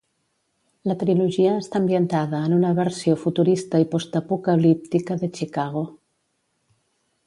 La trilogia està ambientada en una versió futurista i postapocalíptica de Chicago.